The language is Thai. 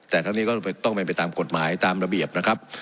แต่ทั้งนี้ก็ต้องเป็นไปตามกฎหมายตามระเบียบนะครับ